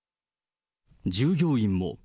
従業員も。